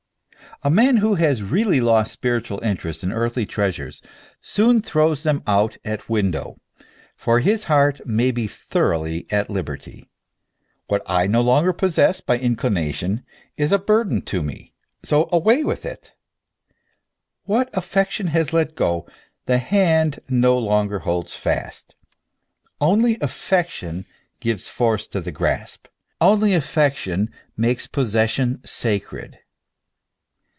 A man who has really lost spiritual interest in earthly treasures, soon throws them out at window, that his heart may be thoroughly at liberty. What I no longer possess by inclination is a burden to me ; so away with it ! What affection has let go, the hand no longer holds fast. Only affection gives force to the grasp; only affection makes pos session sacred.